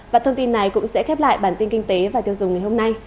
và thông tin này cũng sẽ khép lại bản tin kinh tế và tiêu dùng ngày hôm nay